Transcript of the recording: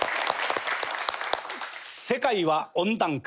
世界は温暖化